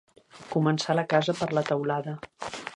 Començar la casa per la teulada.